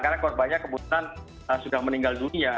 karena korbannya kebetulan sudah meninggal dunia